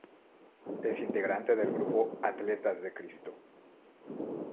Es integrante del grupo Atletas de Cristo.